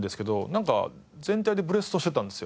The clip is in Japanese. なんか全体でブレストしてたんですよ。